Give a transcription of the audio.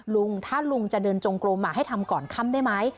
ลุงถ้าลุงจะเดินจงกลมให้ทำก่อนค่ำได้ไหม